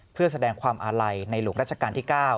เพื่อแสดงความอาลัยในหลวงรัชกาลที่๙